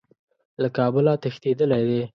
له کابله تښتېدلی دی.